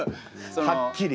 はっきり？